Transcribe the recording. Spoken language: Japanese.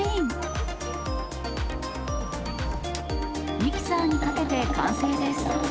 ミキサーにかけて完成です。